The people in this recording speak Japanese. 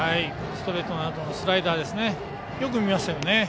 ストレートのあとのスライダーですね。